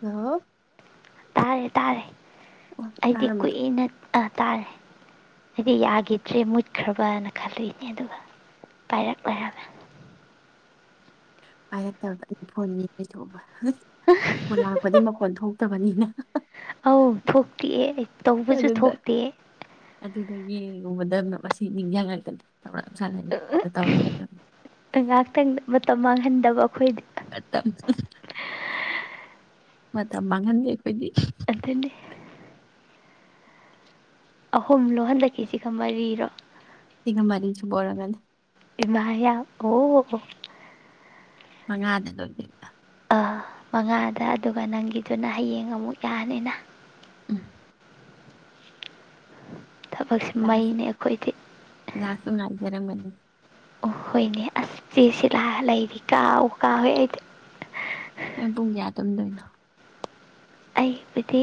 Hello ꯇꯥꯔꯦ ꯇꯥꯔꯦ ꯑꯣ ꯑꯩꯗꯤ ꯇꯥꯔꯕ ꯀꯨꯏꯅ ꯑꯥ ꯇꯥꯔꯦ ꯍꯥꯏꯗꯤ ꯌꯥꯈꯤꯗ꯭ꯔꯦ ꯃꯨꯠꯈ꯭ꯔꯕꯅ ꯈꯜꯂꯨꯏꯅꯦ ꯑꯗꯨꯒ ꯄꯥꯏꯔꯛꯂꯩꯔꯝꯃꯦ ꯄꯥꯏꯔꯛꯇꯕ ꯑꯩꯅ ꯐꯣꯟ ꯌꯦꯡ ꯂꯩꯊꯣꯛꯑꯕ [unintelligible] ꯐꯣꯟ ꯂꯥꯛꯄꯗꯤ ꯃꯈꯣꯟ ꯊꯣꯛꯇꯕꯅꯤꯅ [unintelligible] ꯑꯧ ꯊꯣꯛꯇꯤꯑꯦ ꯑꯩ ꯇꯧꯕꯁꯨ ꯑꯗꯨꯗ ꯊꯣꯛꯇꯦ [unintelligible] [unintelligible] ꯁꯥꯟꯅꯔꯤ ꯑꯗꯨ ꯇꯧꯔꯒ ꯉꯥꯏꯍꯥꯛꯇꯪ ꯃꯥꯡꯍꯟꯗꯕ ꯑꯩꯈꯣꯏꯗꯤ [unintelligible] ꯃꯇꯝ ꯃꯥꯡꯍꯟꯗꯦ ꯑꯈꯣꯏꯗꯤ ꯑꯗꯨꯅꯦ ꯑꯍꯨꯝꯂꯣ ꯍꯟꯗꯛꯀꯤꯁꯤꯒ ꯃꯔꯤꯔꯣ ꯁꯤꯒ ꯃꯔꯤ ꯁꯨꯕ ꯑꯣꯏꯔꯝꯒꯅꯤ ꯏꯃꯥ ꯌꯥꯝ ꯑꯣ ꯃꯉꯥꯗ ꯂꯣꯏꯗꯣꯏꯕ ꯃꯉꯥꯗ ꯑꯗꯨꯒ ꯅꯪꯒꯤꯗꯨꯅ ꯍꯌꯦꯡ ꯑꯃꯨꯛ ꯌꯥꯅꯤꯅ ꯎꯝ ꯊꯕꯛꯁꯤ ꯀ꯭ꯂꯥꯁꯁꯨ ꯃꯩꯅꯦ ꯑꯈꯣꯏꯗꯤ ꯀ꯭ꯂꯥꯁꯁꯨ [inaudible] ꯑꯣ ꯍꯣꯏꯅꯦ ꯑꯁ ꯆꯦ ꯁꯤꯂꯥ ꯂꯩꯔꯤ ꯀꯥꯎꯕꯨ ꯀꯥꯎꯋꯦ ꯑꯩꯗꯤ ꯅꯪ [unintelligible] ꯑꯩꯕꯨꯗꯤ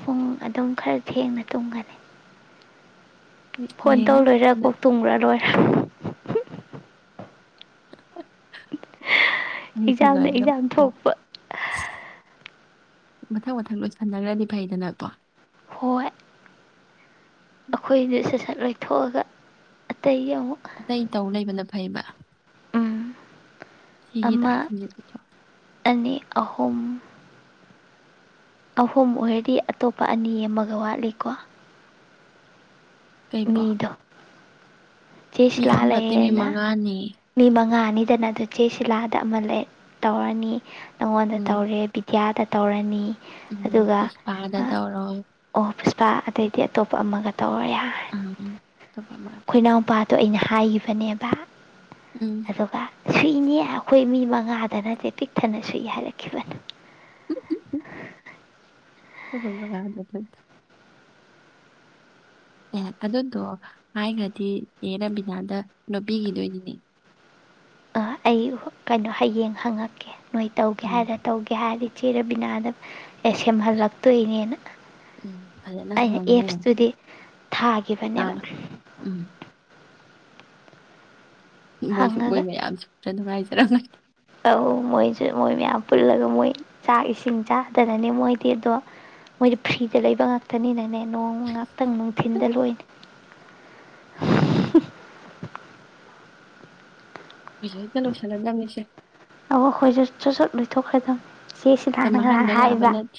ꯍꯣꯡ ꯑꯗꯨꯝ ꯈꯔ ꯊꯦꯡꯅ ꯇꯨꯝꯒꯅꯤ ꯐꯣꯟ ꯇꯧ ꯌꯦꯡꯉꯣ ꯂꯣꯏꯔ ꯑꯗ ꯀꯣꯛ ꯇꯨꯝꯒ꯭ꯔꯂꯣꯏ [unintelligible] ꯁꯤ ꯑꯦꯛꯖꯥꯝꯅ ꯂꯣꯏꯔꯒ ꯑꯦꯛꯖꯥꯝ ꯊꯣꯛꯄ ꯃꯊꯪ ꯃꯊꯪ ꯂꯣꯏꯁꯟꯅꯒ꯭ꯔꯗꯤ ꯐꯩꯗꯅꯀꯣ? ꯍꯣꯏ ꯑꯈꯣꯏꯖꯦ ꯁꯠ ꯁꯠ ꯂꯣꯏꯊꯣꯛꯑꯒ ꯑꯇꯩ ꯑꯃꯨꯛ ꯑꯇꯩ ꯇꯧ ꯂꯩꯕꯅ ꯐꯩꯕ ꯎꯝ ꯁꯤꯒꯤ ꯇꯥꯛꯁ ꯁꯤꯁꯦ ꯅꯠꯇ꯭ꯔꯣ? ꯑꯅꯤ ꯑꯍꯨꯝ ꯑꯍꯨꯝ ꯑꯣꯏꯔꯗꯤ ꯑꯇꯣꯞꯄ ꯑꯅꯤ ꯑꯃꯒ ꯋꯥꯠꯂꯤꯀꯣ? ꯀꯩꯕꯣ ꯃꯤꯗꯣ ꯆꯦ ꯃꯤ ꯁꯤꯂꯥ ꯑꯍꯨꯝ ꯅꯠꯇꯦ ꯃꯤ ꯂꯩꯌꯦꯅ ꯃꯉꯥꯅꯤ ꯃꯤ ꯃꯉꯥ ꯅꯩꯗꯅ ꯑꯗꯨ ꯆꯦ ꯁꯤꯂꯥꯗ ꯑꯃ ꯂꯩ ꯇꯧꯔꯅꯤ ꯅꯉꯣꯟꯗ ꯎꯝ ꯇꯧꯔꯦ ꯕꯤꯗ꯭ꯌꯗꯥ ꯇꯧꯔꯅꯤ ꯎꯝ ꯑꯗꯨꯒ ꯄꯨꯁꯄꯥꯗ ꯇꯧꯔꯣ ꯇ ꯑꯗꯩꯗꯤ ꯑꯇꯣꯞꯄ ꯑꯃꯒ ꯇꯧꯔ ꯌꯥꯔꯦ [unintelligible] ꯊꯥꯕ ꯃꯠ ꯗꯣ ꯑꯩꯅ ꯍꯥꯏꯒꯤꯕꯅꯦꯕ ꯎꯝ ꯑꯗꯨꯒ ꯁꯨꯏꯅꯦ ꯑꯈꯣꯏ ꯃꯤ ꯃꯉꯥꯗ ꯅꯠꯇꯦ ꯄꯤꯛ ꯊꯟꯅ ꯁꯨꯏ ꯍꯥꯏꯔꯛꯈꯤꯕꯅꯦ [unintelligible] ꯑꯦ ꯑꯗꯨꯗꯣ ꯍꯥꯏꯒ꯭ꯔꯗꯤ ꯆꯦ ꯔꯕꯤꯅꯥꯗ ꯅꯨꯄꯤꯒꯤ ꯗꯣꯏꯗꯤꯅꯦ ꯑꯥ ꯑꯩ ꯍꯣ ꯀꯩꯅꯣ ꯍꯌꯦꯡ ꯍꯪꯉꯛꯀꯦ ꯅꯣꯏ ꯇꯧꯒꯦ ꯎꯝ ꯍꯥꯏꯔ ꯇꯧꯒꯦ ꯍꯥꯏꯔꯤ ꯆꯦ ꯔꯕꯤꯅꯥꯗ ꯑꯦ ꯁꯦꯝꯍꯜꯂꯛ ꯇꯣꯏꯅꯦꯅ ꯎꯝ ꯐꯖꯅ ꯍꯪꯉꯣ ꯊꯥꯈꯤꯕꯅꯦꯕ ꯇꯥꯡꯅ ꯎꯝ ꯎꯝ ꯃꯣꯏꯁꯨ ꯃꯣꯏ ꯍꯪꯉꯒ ꯃꯌꯥꯝꯁꯨ ꯈ꯭ꯔ ꯅꯨꯡꯉꯥꯏꯖꯦ [unintelligible] ꯑꯧ ꯃꯣꯏꯁꯨ ꯃꯣꯏ ꯃꯌꯥꯝ ꯄꯨꯜꯂꯒ ꯃꯣꯏ ꯆꯥꯛ ꯏꯁꯤꯡ ꯆꯥꯗꯅꯅꯦ ꯃꯣꯏꯗꯤ ꯑꯗꯣ ꯃꯣꯏꯗꯤ ꯐ꯭ꯔꯤꯗ ꯂꯩꯕ ꯉꯥꯛꯇꯅꯤꯅꯅꯦ ꯅꯣꯡꯃ ꯉꯥꯛꯇꯪ ꯅꯨꯡꯊꯤꯟꯗ ꯂꯣꯏ [inaudible] ꯍꯧꯖꯤꯒ ꯍꯦꯇ ꯂꯣꯏꯁꯜꯂꯗꯝ ꯅꯤꯁꯦ ꯑꯣ ꯈꫭꯏꯁꯨ ꯆꯠ ꯆꯠ ꯂꫭꯏꯊꫭꯛꯈ꯭ꯔꯗꯝꯅꯦ ꯆꯦ ꯃꯇꯝ ꯁꯤꯂꯥꯅ ꯉꯥꯍꯥꯟ ꯃꯥꯡꯍꯟꯕ ꯌꯥꯕ ꯍꯥꯏꯕ ꯅꯠꯇꯦ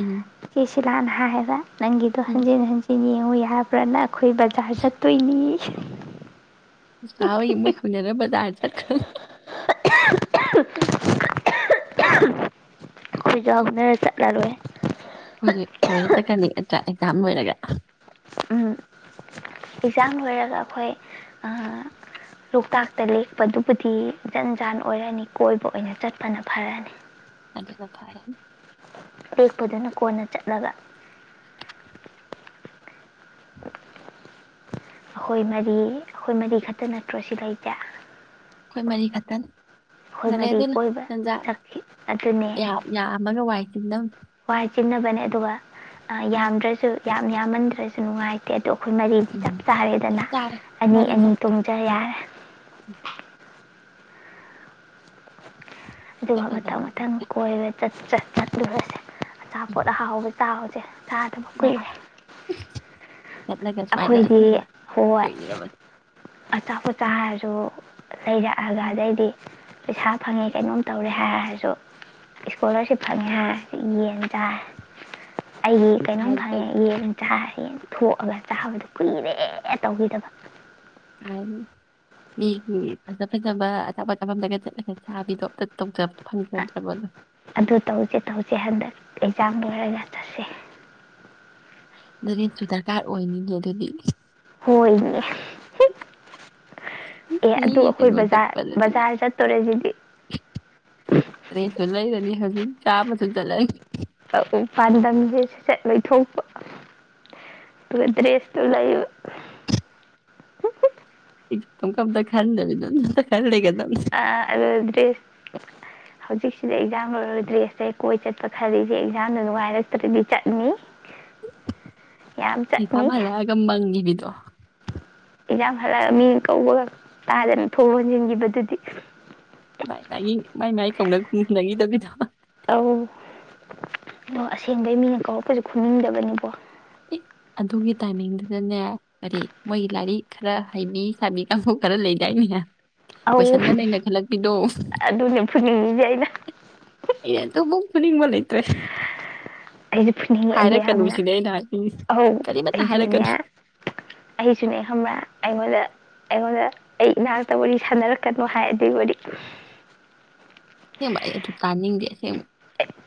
ꯎꯝ ꯆꯦ ꯁꯤꯂꯥꯅ ꯍꯥꯏꯕ ꯅꯪꯒꯤꯗꯣ ꯎꯝ ꯍꯟꯖꯤꯟ ꯍꯟꯖꯤꯟ ꯑꫭ ꯌꯥꯕ ꯅꯠ ꯑꯈꯣꯏ ꯕꯖꯥꯔ ꯆꯠꯇꯣꯏꯅꯤ [inaudible] ꯁꯥꯥꯎ ꯃ ꯈꯅꯔꯦꯕꯖꯥ [inaudible] [inaudible] [inaudible] ꯑꯩꯈꯣꯏ ꯖꯥꯎꯅꯔ ꯆꯠꯂꯔꯣꯏ ꯑꯩꯈꯣꯏꯁꯨ ꯂꯣꯏꯅ ꯆꯠꯀꯅꯤ ꯅꯠꯇ꯭ꯔꯥ [unintelligible] ꯑꯣꯏꯔꯒ ꯑꯦꯛꯖꯥꯡ ꯂꯣꯏꯔꯒ ꯑꯈꯣꯏ ꯂꯣꯛꯇꯥꯛꯇ ꯂꯦꯛꯄꯗꯨꯕꯨꯗꯤ ꯖꯟ ꯖꯥꯟ ꯑꯣꯏꯔꯅꯤ ꯀꯣꯏꯕ ꯑꯣꯏꯅ ꯆꯠꯄꯅ ꯐꯔꯅꯤ ꯐꯔꯅꯤ ꯂꯦꯛꯄꯗꯨꯅ ꯀꯣꯟꯅ ꯆꯠꯂꯒ ꯑꯈꯣꯏ ꯃꯔꯤ ꯑꯈꯣꯏ ꯃꯔꯤ ꯈꯛꯇ ꯅꯠꯇ꯭ꯔꯣ ꯁꯤ ꯂꯩꯁꯦ ꯑꯈꯣꯏ ꯃꯔꯤ ꯈꯛꯇꯅꯤ ꯑꯈꯣꯏ ꯐꯔꯦ ꯃꯔꯤ ꯑꯗꯨꯅ ꯀꯣꯏꯕ ꯇꯟꯖꯥ ꯆꯈꯤ ꯑꯗꯨꯅꯦ ꯌꯥꯝ ꯌꯥꯝꯃꯒ ꯋꯥꯏ ꯆꯤꯟꯗꯝꯅꯤ ꯋꯥꯢ ꯆꯤꯟꯅꯕꯅꯦ ꯑꯗꯨꯒ ꯌꯥꯝꯗ꯭ꯔꯁꯨ ꯌꯥꯝ ꯌꯥꯝꯃꯟꯗ꯭ꯔꯁꯨ ꯅꯨꯡꯉꯥꯏꯇꯦ ꯑꯣ ꯑꯩꯈꯣꯏ ꯃꯔꯤꯗꯤ ꯆꯞ ꯎꯝ ꯆꯞ ꯆꯥꯔꯦꯗꯅ ꯆꯥꯔꯦ ꯑꯅꯤ ꯃꯔꯤ ꯑꯅꯤ ꯆꯞ ꯇꯣꯡꯖ ꯌꯥꯔꯦ ꯑꯗꯨꯒ ꯃꯊꯪ ꯆꯠꯂꯗꯕꯅꯤ ꯃꯊꯪ ꯍꯦꯛꯇ ꯀꯣꯏꯕ [unintelligible] ꯎꯝ ꯑꯆꯥꯄꯣꯠ ꯑꯍꯥꯎꯕ ꯇꯥꯕ [inaudible] ꯆꯥꯗꯕ ꯀꯨꯏꯔꯦ ꯃꯥꯅꯤ ꯆꯠꯂꯒ ꯁꯨꯃꯥꯏꯅ ꯑꯩꯈꯣꯏꯗꯤ ꯑꯁꯦꯡꯕ ꯀꯨꯏꯔꯕ ꯑꯆꯥꯄꯣꯠꯇ ꯍꯥꯏꯔꯁꯨ ꯂꯩꯔꯛꯑꯒ ꯑꯗꯩꯗꯤ ꯄꯩꯁꯥ ꯐꯪꯉꯦ ꯀꯩꯅꯣꯝ ꯇꯧꯔꯦ ꯍꯥꯏꯔꯁꯨ ꯏꯁꯀꯣꯂꯥꯔꯁꯤꯞ ꯐꯪꯉꯦ ꯍꯥꯏꯔꯁꯨ ꯌꯦꯟ ꯆꯥꯏ ꯑꯩꯒꯤ ꯀꯩꯅꯣꯝ ꯐꯪꯉꯦ ꯌꯦꯟ ꯆꯥ ꯌꯦꯟ ꯊꯣꯛꯑꯒ ꯆꯥꯕꯗ ꯀꯨꯏꯔꯦ ꯇꯧꯈꯤꯗꯕ ꯃꯤꯒꯤ ꯐꯖ ꯐꯖꯕ ꯑꯆꯥꯄꯣꯠ ꯆꯥꯕꯝꯗꯒ ꯆꯠꯂꯒ ꯆꯦꯕꯤꯗꯣ ꯑꯝꯇ ꯇꯧꯖ ꯑ ꯑꯗꯨ ꯇꯧꯁꯦ ꯇꯧꯁꯦ ꯍꯟꯗꯛ [unintelligible] ꯂꯣꯏꯔꯒ ꯆꯁꯦ [unintelligible] ꯗꯔꯀꯥꯔ ꯑꯣꯏꯅꯤꯅꯦ ꯑꯗꯨꯗꯤ ꯍꯣꯏꯅꯦ ꯑꯦ ꯃꯤ ꯑꯗꯨ ꯑꯈꯣꯏ ꯀꯩꯅꯣ ꯕꯖꯥꯔ ꯆꯠꯄꯗꯗꯤ ꯕꯖꯥꯔ ꯆꯠꯇꯣꯔꯁꯤꯗꯤ ꯗ꯭ꯔꯦꯁꯁꯨ ꯂꯩꯔꯅꯤ ꯍꯧꯖꯤꯛ ꯆꯥꯕꯁꯨ ꯆꯂ ꯄꯥꯟꯗꯝꯁꯦ ꯁꯠꯆꯠ ꯂꯣꯏꯊꯣꯛꯄ ꯑꯗꯨꯒ ꯗ꯭ꯔꯦꯁꯇꯨ ꯂꯩꯕ ꯨ [unintelligible] ꯈꯟꯗꯕꯤꯗ [unintelligible] ꯑ ꯑꯗꯨ ꯗ꯭ꯔꯦꯁ ꯍꯧꯖꯤꯛꯁꯤꯗ ꯑꯦꯛꯖꯥꯝ ꯂꯣꯏꯔ ꯗ꯭ꯔꯦꯁꯇꯩ ꯀꯣꯏ ꯆꯠꯄ ꯈꯜꯂꯤꯁꯦ ꯑꯦꯛꯖꯥꯝꯗ ꯅꯨꯡꯉꯥꯏꯔꯛꯇ꯭ꯔꯗꯤ ꯆꯠꯅꯤ ꯌꯥꯝ ꯑꯩ ꯆꯠꯅꯤ [unintelligible] [unintelligible] ꯑꯦꯟꯖꯥꯡ ꯍꯜꯂꯛꯑ ꯃꯤ ꯀꯧꯕꯒ ꯇꯥꯗꯅ ꯊꯣꯡ ꯂꯣꯟꯖꯤꯟꯒꯤꯕꯗꯨꯗꯤ ꯃꯥꯏ ꯃꯥꯏ ꯃꯥꯏ ꯃꯥꯏ ꯀꯧꯅ ꯈꯨꯝꯅꯈꯤꯗꯕꯤꯗꯣ ꯑꯧ ꯑꯗꯣ ꯑꯁꯦꯡꯕꯩ ꯃꯤꯅ ꯀꯥꯎꯔꯛꯄꯁꯨ ꯈꯨꯝꯅꯤꯡꯗꯕꯅꯤꯀꯣ ꯑꯦ ꯑꯗꯨꯒꯤ ꯇꯥꯏꯃꯤꯡꯗꯨꯗꯅꯦ ꯀꯔꯤ ꯃꯣꯏꯒꯤ ꯂꯥꯏꯔꯤꯛ ꯈꯔ ꯍꯩꯕꯤ ꯁꯥꯕꯤ ꯀꯥꯡꯕꯨ ꯈꯔ ꯂꯩꯗꯥꯏꯅꯦ ꯑꯧ ꯀꯣꯏꯁꯟꯒ ꯅꯩꯅ ꯈꯜꯂꯛꯄꯤꯗꯣ ꯑꯗꯨꯅꯦ ꯐꯨꯅꯤꯡꯉꯤꯁꯦ ꯑꯩꯅ ꯑꯩꯅ ꯑꯗꯨꯃꯨꯛ ꯐꯨꯅꯤꯡꯕ ꯂꯩꯇ꯭ꯔꯦ ꯑꯩꯁꯨꯦ ꯐꯨꯅꯤꯡꯉꯦꯗꯣ ꯌꯥꯝꯅ ꯍꯥꯏꯔꯛꯀꯅꯨꯁꯤꯅꯦ ꯑꯩꯅ ꯍꯥꯏꯅꯤꯡꯉꯤꯁꯦ ꯑꯧ ꯀꯔꯤꯃꯠꯇ ꯑꯩꯁꯨꯅꯦ ꯍꯥꯏꯔꯛꯀꯅꯨ ꯑꯩꯁꯨꯅꯦ ꯈꯪꯕ꯭ꯔꯥ ꯑꯩꯉꯣꯟꯗ ꯑꯩꯉꯣꯟꯗ ꯑꯩ ꯏꯅꯥꯛꯇ ꯋꯥꯔꯤ ꯁꯥꯟꯅꯔꯛꯀꯅꯨ ꯍꯥꯏ ꯑꯗꯨꯏꯕꯨꯗꯤ ꯑꯁꯦꯡꯕ ꯑꯩ ꯑꯗꯨ ꯇꯥꯅꯤꯡꯗꯦ ꯑꯁꯦꯡꯕ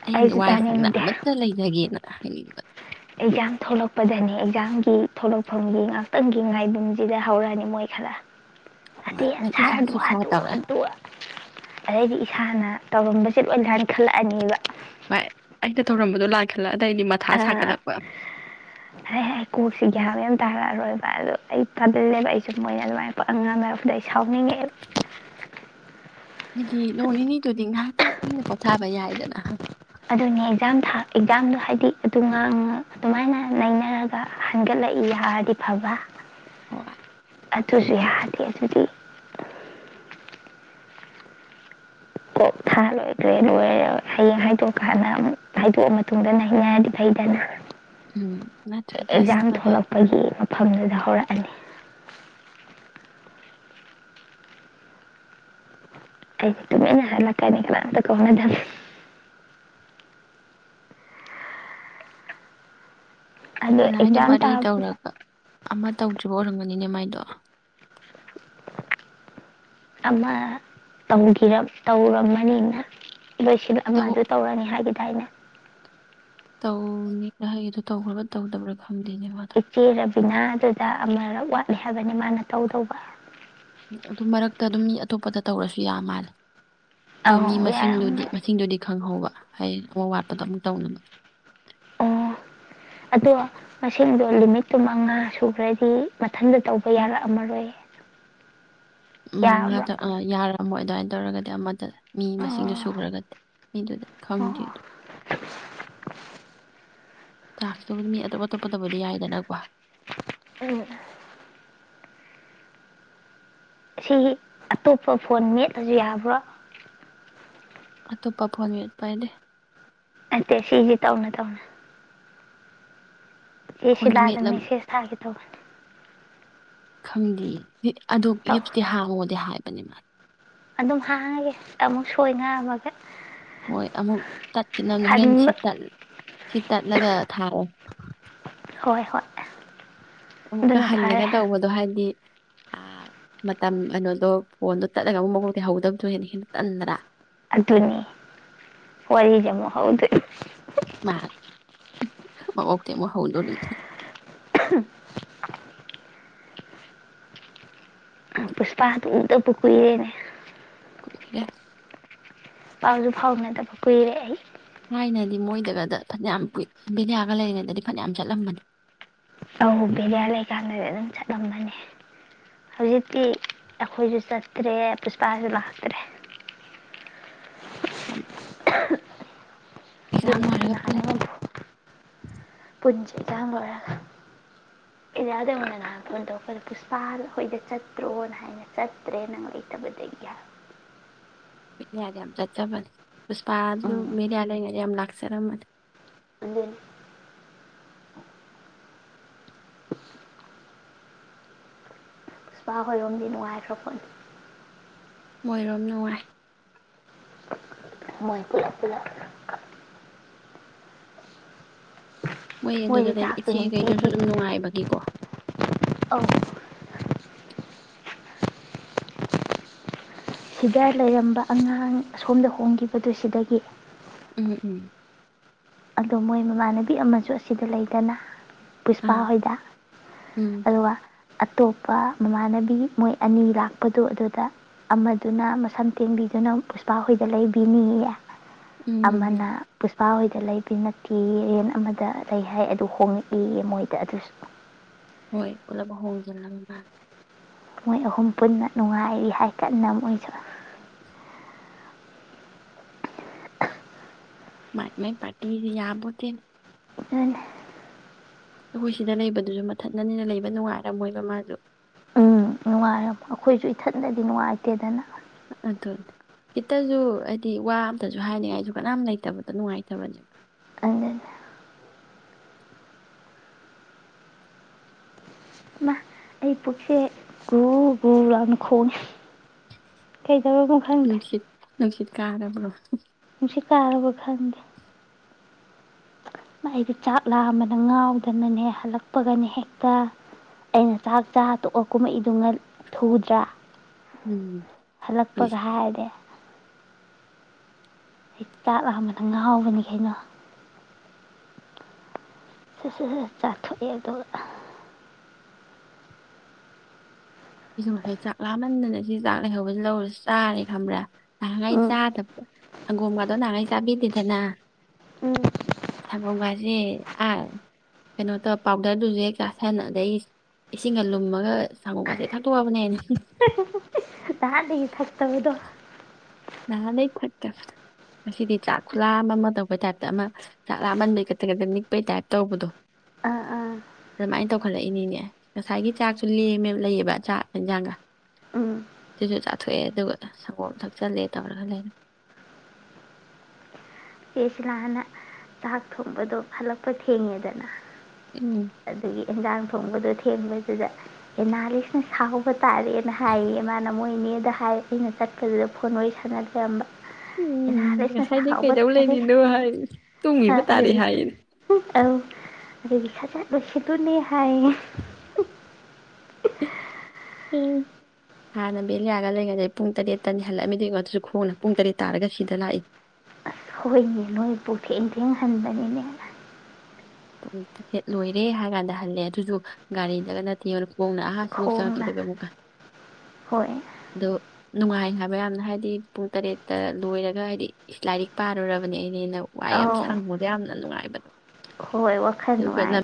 ꯑꯩꯅ ꯑꯩꯁꯨ ꯋꯥꯏꯁꯪꯅ ꯇꯥꯅꯤꯡꯗꯦ ꯑꯃꯠꯇ ꯂꯩꯖꯒꯦꯅ [unintelligible] ꯑꯦꯛꯖꯥꯝ ꯊꯣꯛꯂꯛꯄꯗꯅꯤ ꯑꯦꯛꯖꯥꯝꯒꯤ ꯊꯣꯛꯂꯛꯐꯝꯒꯤ ꯉꯥꯛꯇꯪꯒꯤ ꯉꯥꯏꯐꯝꯁꯤꯗ ꯍꯧꯔꯛꯑꯅꯤ ꯃꯣꯏ ꯈꯔ ꯅꯠꯇꯦ ꯍꯣꯏ ꯁꯨꯁꯥ ꯑꯦꯟꯁꯔꯗꯨ ꯁꯨꯁꯥ ꯍꯥꯇꯨ ꯇꯧꯔꯛꯑꯦ ꯑꯗꯨ ꯑꯗꯩꯗꯤ ꯏꯁꯥꯅ ꯇꯧꯔꯝꯕ ꯆꯤꯠ ꯑꯣꯏꯅ ꯊꯔꯗꯤ ꯈꯜꯂꯛꯑꯅꯦꯕ ꯚꯥꯏ ꯑꯩꯅ ꯊꯧꯔꯝꯕꯗꯣ ꯂꯥꯟꯈꯠꯂꯛ ꯑ ꯀꯣꯛꯁꯤ ꯒꯌ꯭ꯥꯟ ꯇꯥꯔꯛꯑꯔꯣꯏꯕ ꯑꯗꯨ ꯑꯩ ꯇꯜꯂꯦꯕ ꯑꯩꯁꯨ ꯃꯣꯏꯅ ꯑꯗꯨꯃꯥꯏꯅ ꯄꯪꯉꯥꯡ ꯉꯥꯡꯉꯛꯄꯗ ꯑꯩ ꯁꯥꯎꯅꯤꯡꯉꯛꯑꯦꯕ ꯑꯗꯨꯗꯤ ꯅꯣꯡ ꯅꯤꯅꯤꯗꯨꯗꯤ ꯉꯥꯏꯍꯥꯛꯇꯪ ꯏꯪꯅ ꯄꯣꯊꯥꯕ ꯌꯥꯏꯗꯅ ꯑꯗꯨꯅꯦ ꯑꯦꯛꯖꯥꯝ ꯊ ꯑꯦꯛꯖꯥꯝꯗꯣ ꯍꯥꯏꯗꯤ ꯑꯗꯨꯒ ꯑꯗꯨꯃꯥꯏꯅ ꯅꯩꯅꯔꯒ ꯍꯟꯒꯠꯂꯛꯏ ꯍꯥꯏꯔꯗꯤ ꯐꯕ ꯍꯣꯏ ꯑꯗꯨꯁꯨ ꯌꯥꯗꯦ ꯑꯗꯨꯗꯤ ꯀꯣꯛ ꯊꯥ ꯂꯣꯏꯈ꯭ꯔꯦ ꯂꯣꯏꯔ ꯍꯌꯦꯡ ꯍꯥꯏꯗꯣꯛꯀꯥꯟꯗ ꯑꯃꯨꯛ ꯍꯥꯏꯗꯣꯛꯑ ꯃꯇꯨꯡꯗꯅ ꯍꯦꯟꯅꯗꯤ ꯐꯩꯗꯅ ꯎꯝ ꯅꯠꯇ꯭ꯔꯗꯤ ꯑꯁ ꯃꯊꯥꯁꯅꯤ ꯍꯧꯔꯛ ꯑꯅꯤ ꯑꯩ ꯇꯨꯃꯤꯟꯅ ꯍꯜꯂꯛꯀꯅꯤ ꯀꯅꯥꯑꯃꯇ ꯀꯧꯅꯗꯕꯤ ꯑꯗꯣ ꯇꯤꯅꯗꯣ ꯑꯦꯛꯖꯥꯝ ꯃꯔꯤ ꯇꯥꯕꯗ ꯇꯧꯔꯒ ꯑꯃ ꯇꯧꯗ꯭ꯔꯤꯕ ꯑꯣꯏꯔꯝꯒꯅꯤ ꯅꯤꯅꯦ ꯃꯥꯏꯗꯣ ꯑꯃꯇꯪꯒꯤ ꯇꯧꯔꯝꯃꯅꯤꯅ ꯂꯣꯏꯁꯤꯜ ꯇꯧ ꯑꯃꯗꯨ ꯇꯧꯔꯅꯤ ꯍꯥꯏꯒꯤ ꯇꯥꯏꯅ ꯇꯧꯅꯤꯅ ꯍꯥꯏ ꯑꯗꯣ ꯇꯧꯈ꯭ꯔꯕ ꯇꯧꯗꯕ꯭ꯔꯥ ꯈꯪꯗꯦꯅꯦ ꯃꯥꯗꯣ ꯏꯆꯦ ꯔꯕꯤꯅꯗꯨ ꯗ ꯑꯃꯔꯛ ꯋꯥꯠꯂꯤ ꯍꯥꯏꯕꯅꯤ ꯃꯥꯅ ꯇꯧꯗꯧꯕ ꯑꯗꯨ ꯃꯔꯛꯇ ꯑꯗꯨꯝ ꯃꯤ ꯑꯇꯣꯞꯄꯗ ꯇꯧꯔꯁꯨ ꯌꯥꯕ ꯃꯥꯜꯂꯦ ꯑꯗꯣ ꯃꯤ ꯑꯧ ꯌꯥꯔꯝꯒꯅꯤ ꯃꯁꯤꯡꯗꯨꯗꯤ ꯃꯁꯤꯡꯗꯨꯗꯤ ꯍꯪꯍꯧꯕ ꯍꯌꯦꯡ ꯑꯃ ꯋꯥꯠꯄꯗꯣ ꯑꯃꯨꯛ ꯇꯧꯅꯕ ꯑꯣ ꯑꯗꯣ ꯃꯁꯤꯡꯗꯣ ꯂꯤꯃꯤꯠꯇꯨ ꯃꯉꯥ ꯁꯨꯈ꯭ꯔꯗꯤ ꯃꯊꯟꯗ ꯇꯧꯕ ꯌꯥꯔꯛꯑꯝꯃꯔꯣꯏ ꯌꯥꯕ꯭ꯔꯣ ꯃꯉꯥꯗ ꯑ ꯌꯥꯔꯝꯃꯣꯏ ꯑꯗꯨꯃꯥꯏꯅ ꯇꯧꯔꯒꯗꯤ ꯑꯃꯗ ꯃꯤ ꯃꯁꯤꯡꯗꯨ ꯑꯣ ꯁꯨꯈ꯭ꯔꯒ ꯃꯤꯗꯨꯗ ꯑꯣ ꯈꯪꯗꯦ ꯑꯣ ꯇꯥꯛꯁ ꯇꯧꯕꯗꯤ ꯃꯤ ꯑꯇꯣꯞ ꯑꯇꯣꯞꯄꯗꯕꯨꯗꯤ ꯌꯥꯏꯗꯅꯀꯣ ꯑ ꯁꯤ ꯑꯇꯣꯞꯄ ꯐꯣꯟ ꯃꯦꯠꯂꯁꯨ ꯌꯥꯕ꯭ꯔꯣ ꯑꯇꯣꯞꯄ ꯐꯣꯟ ꯌꯄꯥꯏꯅꯦꯦ ꯑꯠꯇ ꯁꯤꯁꯤ ꯇꯧꯅ ꯇꯧꯅ ꯑꯦꯁꯤꯦ ꯐꯣꯟꯗꯨ ꯂ ꯃꯦꯠꯂꯝ ꯑꯗꯨꯝꯁꯦꯁ ꯇꯣ ꯈꯪꯗꯦ ꯑꯗꯨꯣ ꯇꯧ ꯌꯦꯞꯇꯤ ꯍꯥꯡꯉꯣꯗꯤ ꯍꯥꯏꯕ ꯃꯗ ꯑꯗꯨꯝ ꯍꯥꯡꯉꯒꯦ ꯑꯃꯨꯛ ꯁꯣꯏ ꯉꯥꯝꯃꯒ ꯍꯣꯏ ꯑꯃꯨꯛ ꯇꯠꯈꯤꯅꯕꯅꯦ ꯍꯣꯔꯦꯟ ꯁꯤ ꯍꯟꯕ ꯇꯠ ꯁꯤ ꯇꯠꯂꯒ ꯊꯥꯔꯦ ꯍꯣꯏ ꯍꯣꯏ ꯑꯃꯨꯛꯀ ꯑꯗꯨꯅ ꯍꯜꯂꯒ ꯐꯔꯦ ꯇꯧꯕꯗꯣ ꯍꯥꯏꯗꯤ ꯑ ꯃꯇꯝ ꯀꯩꯅꯣꯗꯣ ꯐꯣꯟꯗꯣ ꯇꯠꯂꯒ ꯑꯃꯨꯛ ꯃꯣꯛꯩ ꯍꯧꯍꯒꯗꯕꯗꯣ ꯍꯦꯟꯅ ꯍꯦꯟꯅ ꯇꯟꯗ꯭ꯔꯥ ꯑꯗꯨꯅꯦ ꯍꯔꯤꯖꯃꯣ ꯍꯥꯎꯗ ꯃꯥ ꯃꯃꯇꯃ ꯍꯥꯎꯟꯗꯣꯅꯦ [unintelligible] ꯄꯨꯁꯄꯥ ꯍꯥ ꯎꯗ ꯄꯨ ꯀꯏꯔꯦꯅꯦ ꯀꯣꯏ꯭ꯔꯦ ꯄꯥꯎꯁꯨ ꯐꯥꯎꯅꯗꯕ ꯀꯨꯏꯔꯦ ꯑꯩ ꯊꯥꯏꯅꯗꯤ ꯃꯣꯏꯗꯒꯗ ꯐꯅꯌꯥꯝ ꯕꯤꯌꯥꯒ ꯂꯩꯔꯤꯉꯩꯗꯗꯤ ꯐꯅꯌꯥꯝ ꯆꯠꯂꯝꯕꯅꯤ ꯕꯦꯔꯤꯌꯥ ꯂꯩꯀꯥꯟꯗꯗꯤ ꯑꯗꯨꯝ ꯆꯠꯂꯝꯕꯅꯦ ꯍꯧꯖꯤꯛꯇꯤ ꯑꯩꯈꯣꯏꯁꯨ ꯆꯠꯇ꯭ꯔꯦ ꯄꯨꯁꯄꯥꯁꯨ ꯉꯥꯛꯇ꯭ꯔꯦ ꯑꯦꯛꯖꯥꯝ ꯕꯦꯔꯤꯌꯥꯗ ꯂꯣꯏꯔꯒ ꯄꯨ ꯅꯍꯥꯟ ꯀꯨꯟꯁꯦ ꯏꯆꯥꯡ ꯂꯣꯏꯔꯒ ꯑꯦꯖꯌꯥꯗꯅ ꯅꯍꯥꯟ ꯐꯣꯟ ꯇꯧꯔꯛꯄꯗ ꯄꯨꯁꯄꯥ ꯑꯩꯣꯏꯗ ꯆꯠꯇ꯭ꯔꯣꯅ ꯍꯥꯏꯅ ꯆꯠꯇ꯭ꯔꯦ ꯅꯪ ꯂꯩꯇꯕꯗꯒꯤ ꯍꯥꯏ ꯌꯥꯔꯦ ꯌꯥꯝꯝ ꯆ ꯆꯕꯅꯤ ꯎꯄꯥ ꯃꯦ ꯑꯂ ꯉꯔꯦ ꯌꯥꯝ ꯂꯥꯛ ꯁꯔꯍꯃꯠ ꯑꯗ ꯁꯄꯥ ꯍꯣꯏꯔꯣꯝꯗꯤ ꯅꯨꯡꯉꯥꯏꯈ꯭ꯔ ꯈꯣꯠꯅꯤ ꯃꯣꯏꯔꯣꯝ ꯅꯨꯡꯉꯥꯏ ꯃꯣꯏ ꯄꯨ ꯄꯨꯂ ꯍꯣꯏ ꯃꯣꯏꯗꯤ ꯑꯗꯨꯗ ꯂꯩꯕ ꯆꯥꯛꯇꯣ ꯏꯆꯦꯈꯩꯗꯨꯁꯨ ꯑꯗꯨꯝ ꯅꯨꯡꯉꯥꯏꯕꯒꯤꯀꯣ ꯑ ꯁꯤꯗ ꯂꯩꯔꯝꯕ ꯑꯉꯥꯡ ꯑꯁꯣꯝꯗ ꯍꯣꯡꯈꯤꯕꯗꯨ ꯁꯤꯗꯒꯤ ꯎꯝ ꯎꯝ ꯑꯗꯣ ꯃꯣꯏ ꯃꯃꯥꯟꯅꯕꯤ ꯑꯃꯁꯨ ꯑꯁꯤꯗ ꯂꯩꯗꯅ ꯄꯩꯁꯄꯥ ꯑꯥ ꯍꯗ ꯎꯝ ꯑꯗꯨꯒ ꯑꯇꯣꯞꯄ ꯃꯃꯥꯟꯅꯕꯤ ꯃꯣꯏ ꯑꯅꯤ ꯂꯥꯛꯄꯗꯣ ꯑꯗꯨꯗ ꯑꯃꯗꯨꯅ ꯃꯁꯝ ꯇꯦꯟꯕꯤꯗꯨꯅ ꯄꯨꯁꯄꯥꯍꯣꯏꯗ ꯂꯩꯕꯤꯅꯤꯌꯦ ꯎꯝ ꯎꯝ ꯎꯝ ꯑꯃꯅ ꯄꯨꯁꯄꯥ ꯍꯣꯏꯗ ꯂꯩ ꯄ ꯅꯠꯇꯦ ꯔꯦꯟ ꯑꯃꯗ ꯂꯩ ꯍꯥꯏ ꯑꯗꯨ ꯍꯣꯡꯉꯛꯏꯌꯦ ꯃꯣꯏꯗ ꯑꯗꯨꯁꯨ ꯍꯣꯏ ꯄꯨꯂꯞ ꯍꯣꯡꯖꯤꯜꯂꯕ ꯃꯥ ꯃꯣꯏ ꯑꯍꯨꯝ ꯄꯨꯟꯅ ꯅꯨꯡꯉꯥꯏꯔꯤ ꯍꯥꯏ ꯀꯟꯅ ꯃꯣꯏꯁꯨ ꯃꯥꯏ ꯃꯥꯏ ꯄꯥꯇꯤ ꯌꯥꯕꯠꯇꯅꯦ ꯗꯅꯤ ꯑꯩꯈꯣꯏ ꯁꯤꯗ ꯂꯩꯕꯗꯨꯖꯨ ꯃꯊꯠꯗꯅꯤꯅ ꯂꯩꯕ ꯅꯨꯡꯉꯥꯏꯔꯝꯃꯣꯏꯕ ꯃꯥꯖꯨ ꯑꯩꯈꯣꯏꯁꯖꯨ ꯏꯊꯟꯗꯗꯤ ꯅꯨꯡꯉꯥꯏꯇꯦꯗꯅ ꯑꯗꯨꯅꯤ ꯈꯤꯇꯁꯨ ꯍꯥꯏꯗꯤ ꯋꯥ ꯑꯝꯇꯁꯨ ꯍꯥꯏꯅꯤꯡꯉꯥꯏꯖꯨ ꯀꯅꯥꯝ ꯂꯩꯇꯕꯗꯣ ꯅꯨꯡꯉꯥꯏꯇꯕꯅꯦꯕ ꯑꯗꯨꯅ ꯃꯥ ꯑꯩ ꯄꯨꯛꯁꯦ ꯒꯨ ꯒꯨ ꯂꯥꯎꯅ ꯈꯣꯡꯉꯦ꯫ ꯀꯩꯗꯧꯏꯃꯣ ꯈꯪꯗꯦ ꯅꯨꯡꯁꯤꯠ ꯅꯨꯡꯁꯤꯠ ꯀꯥꯔꯕ꯭ꯔꯣ ꯅꯨꯡꯁꯤꯠ ꯀꯥꯔꯕ ꯈꯪꯗꯦ ꯃꯥ ꯑꯩꯗꯤ ꯆꯥꯛ ꯂꯥꯝꯕꯅ ꯉꯥꯎꯗꯅꯅꯦ ꯍꯜꯂꯛꯄꯒꯅꯦ ꯍꯦꯛꯇ ꯑꯩꯅ ꯆꯥꯛ ꯆꯥ ꯇꯣꯛꯑ ꯀꯨꯝꯃꯛꯏꯗꯨ ꯊꯨꯗ꯭ꯔꯥ ꯎꯝ ꯊꯣꯛꯏ ꯍꯜꯂꯛꯄꯒ ꯍꯥꯏꯔꯗꯤ ꯑꯩ ꯆꯥꯛ ꯂꯥꯝꯕꯅ ꯉꯥꯎꯕꯅꯤ ꯀꯩꯅꯣ ꯁ ꯁ ꯁꯠ ꯆꯥꯊꯣꯛꯑꯦ ꯑꯗꯨꯒ ꯑꯥ ꯉꯁꯥꯏ ꯆꯥꯛ ꯂꯥꯝꯃꯟꯗꯅ ꯁꯤ ꯆꯥꯛ ꯂꯩꯍꯧꯕꯁꯤ ꯂꯧꯔ ꯁꯨ ꯆꯥꯔꯦ ꯈꯕ꯭ꯔꯥ ꯉꯍꯥꯟꯒꯩ ꯎꯝ ꯆꯥꯗꯕ ꯁꯪꯒꯣꯝꯒꯗꯣ ꯅꯍꯥꯟꯒꯩ ꯆꯥꯕꯤꯗꯦꯗꯅ ꯎꯝ ꯁꯪꯒꯣꯝꯒꯖꯦ ꯑ ꯀꯩꯅꯣꯗ ꯄꯥꯎꯗꯔꯗꯨꯖꯨ ꯍꯦꯛ ꯆꯥꯁꯟ ꯑꯗꯩ ꯏꯁꯤꯡꯒ ꯂꯨꯝꯃꯒ ꯁꯪꯒꯣꯝꯒꯁꯦ ꯍꯥ ꯇꯨ ꯋꯥꯕꯅꯦꯟ ꯍꯨꯝ ꯅꯍꯥꯟꯗꯒꯤ ꯊꯛꯄꯅꯤꯗꯣ ꯅꯍꯥꯟꯗꯩ ꯐꯠꯇꯕꯗꯣ ꯉꯁꯤꯗꯤ ꯆꯥꯛ ꯈꯨꯂꯥꯝ ꯑꯃ ꯑꯃ ꯇꯧꯕ ꯇꯥꯏꯞꯇ ꯑꯃ ꯆꯥꯛ ꯂꯥꯃꯟꯕꯩ ꯒꯊ ꯒꯗ ꯅꯤꯛꯄꯩ ꯇꯥꯏꯞ ꯇꯧꯕꯗꯣ ꯑꯥ ꯑꯥ ꯃꯥꯏꯅ ꯇꯧꯈꯠꯂꯛꯏꯅꯤꯅꯦ ꯉꯁꯥꯏꯒꯤ ꯆꯥꯛꯁꯨ ꯂꯦꯝꯃꯦ ꯂꯩꯌꯦꯕ ꯆꯥꯛ ꯏꯟꯖꯥꯡꯒ ꯎꯝ ꯁꯤꯖꯨ ꯆꯥꯊꯣꯛꯑꯦ ꯑꯗꯨꯒ ꯁꯪꯒꯣꯝ ꯊꯛ ꯆꯂꯦ ꯇꯧꯔꯒ ꯂꯩꯅꯨ ꯆꯦ ꯁꯤꯂꯥꯅ ꯆꯥꯛ ꯊꯣꯡꯕꯗꯣ ꯍꯜꯂꯛꯄ ꯊꯦꯡꯉꯦꯗꯅ ꯎꯝ ꯑꯗꯨꯒꯤ ꯑꯦꯟꯖꯥꯡ ꯊꯣꯡꯕꯗꯣ ꯊꯦꯡꯕꯗꯨꯗ ꯑꯦꯅꯥꯂꯤꯁꯅ ꯁꯥꯎꯕ ꯇꯥꯔꯦꯅ ꯍꯥꯏꯌꯦꯌꯦ ꯃꯥꯅ ꯃꯣꯏꯅꯦꯗ ꯍꯥꯏ ꯑꯩꯅ ꯆꯠꯄꯗꯨꯗ ꯐꯣꯟ ꯋꯥꯔꯤ ꯁꯥꯟꯅ ꯂꯩꯔꯝꯕ ꯏꯅꯥꯂꯤꯁꯅ ꯁꯥꯎꯕꯗ ꯅꯤꯅꯣ ꯍꯥꯏ ꯇꯨꯝꯒꯤꯕ ꯇꯥꯔꯦ ꯍꯥꯏꯌꯦꯅꯦ ꯑꯧ ꯑꯗꯨꯒꯤ ꯁꯖꯥꯠ ꯂꯣꯏꯁꯤꯂꯨꯅꯦ ꯍꯥꯏꯌꯦ ꯎꯪ ꯍꯥꯟꯅ ꯕꯦꯂꯤꯌꯥꯒ ꯂꯩꯉꯩꯗꯤ ꯄꯨꯡ ꯇꯔꯦꯠꯇꯅꯤ ꯍꯜꯂꯛꯑꯝꯃꯤꯗꯨ ꯌꯦꯡꯉꯨ ꯑꯗꯨꯁꯨ ꯈꯣꯡꯅ ꯄꯨꯡ ꯇꯔꯦꯠ ꯇꯥꯔꯒ ꯁꯤꯗ ꯂꯥꯛꯏ ꯍꯣꯏꯅꯦ ꯅꯣꯏ ꯄꯨꯊꯦꯡ ꯊꯦꯡ ꯍꯟꯕꯅꯤꯅꯦ ꯄꯨꯡ ꯇꯔꯦꯠ ꯂꯣꯏꯔꯦ ꯍꯥꯏ ꯀꯥꯟꯗ ꯍꯜꯂꯦ ꯑꯗꯨꯖꯨ ꯒꯥꯔꯤꯗꯒ ꯅꯠꯇꯦ ꯌꯦꯡꯉꯨ ꯈ‌ꯣꯡꯅ ꯑꯍꯥꯁꯤꯐꯥꯎ ꯈꯣꯡꯅ ꯆꯪꯉꯛꯈꯤꯗꯨꯏꯕ ꯑꯃꯨꯛꯀ ꯍꯣꯏ ꯗꯣ ꯅꯨꯡꯉꯥꯏ ꯍꯥꯏꯕ ꯌꯥꯝꯅ ꯍꯥꯏꯗꯤ ꯄꯨꯡ ꯇꯔꯦꯠꯇ ꯂꯣꯏꯔꯒ ꯍꯥꯏꯗꯤ ꯏꯁ ꯂꯥꯏꯔꯤꯛ ꯄꯥꯔꯨꯔꯕꯅꯦ ꯑꯩꯗꯤꯅ ꯋꯥꯏ ꯌꯥꯝ ꯑꯧ ꯁꯪꯕꯗ ꯌꯥꯝꯅ ꯅꯨꯡꯉꯥꯏꯕꯗꯣ ꯍꯣꯏ ꯋꯥꯈꯜ ꯑꯗꯨꯒ ꯂꯝ ꯅꯨꯡꯉꯥꯏ